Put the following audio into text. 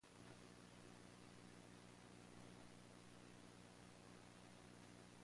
Even a wooden writing tablet with stylus was preserved.